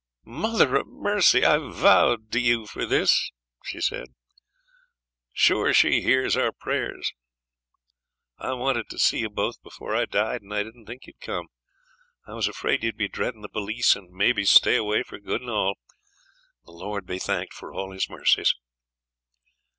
'Mother of Mercy! I vowed to you for this,' she said; 'sure she hears our prayers. I wanted to see ye both before I died, and I didn't think you'd come. I was afraid ye'd be dreadin' the police, and maybe stay away for good and all. The Lord be thanked for all His mercies!'